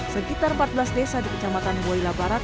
sekitar empat belas desa di kecamatan boyla barat